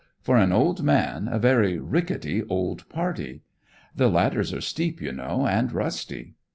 For an old man, a very rickety old party? The ladders are steep, you know, and rusty."